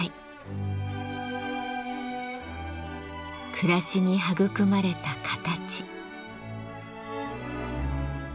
暮らしに育まれた形。